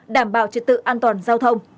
đảm bảo trật tự an toàn giao thông